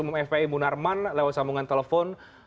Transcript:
umum fpi ibu narman lewat sambungan telepon